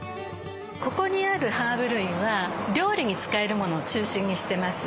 ここにあるハーブ類は料理に使えるものを中心にしてます。